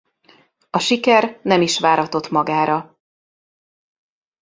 A siker nem is váratott magára.